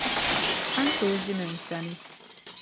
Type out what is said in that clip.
A ni tooi ʒini n sani .